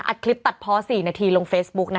คลิปตัดพอ๔นาทีลงเฟซบุ๊กนะ